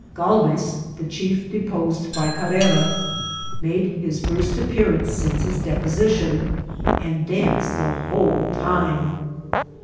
Galves, the chief deposed by Carrera, made his first appearance since his deposition, and danced the whole time.